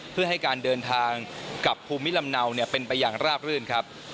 เพื่อให้การเดินทางกับภูมิลำเนาเป็นไปอย่างราบรื่นครับ